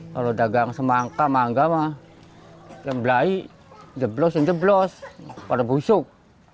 kalau dagang semangka mangga mah yang belahi jeblos jeblos pada busuk